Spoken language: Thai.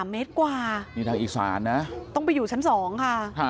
๓เมตรกว่าต้องไปอยู่ชั้น๒ค่ะ